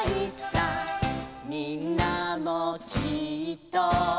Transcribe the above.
「みんなもきっと」